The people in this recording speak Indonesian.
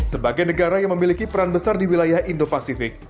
sebagai negara yang memiliki peran besar di wilayah indo pasifik